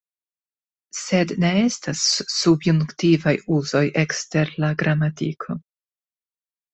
Sed ne estas subjunktivaj uzoj ekster la gramatiko.